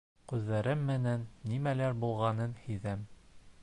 Күҙәрем менән нимәлер булғанын һиҙәм